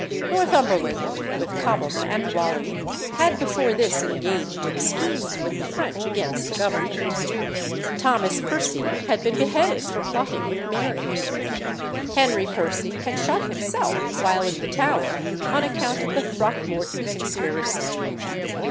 Northumberland, with Cobham and Raleigh, had before this engaged in schemes with the French against the Government. Thomas Percy had been beheaded for plotting with Mary. Henry Percy had shot himself while in the Tower, on account of the Throckmorton Conspiracy.